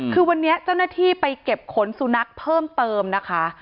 คือวันนี้เจ้าหน้าที่ไปเก็บขนสุนัขเพิ่มเติมนะคะ